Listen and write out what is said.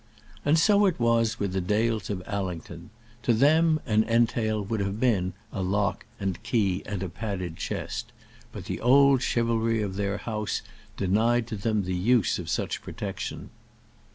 And so it was with the Dales of Allington. To them an entail would have been a lock and key and a padded chest; but the old chivalry of their house denied to them the use of such protection.